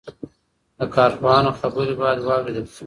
د کارپوهانو خبرې باید واورېدل شي.